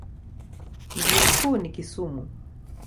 Mji mkuu ni Kisumu.